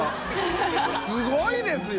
すごいですよ！